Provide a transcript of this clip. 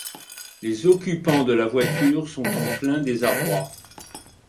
Les occupants de la voiture sont en plein désarroi.